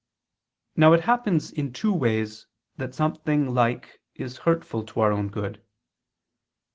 Now it happens in two ways that something like is hurtful to our own good.